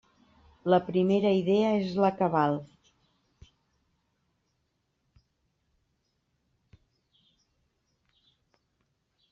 La primera idea és la que val.